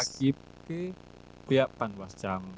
pak hakim ke pihak panwascam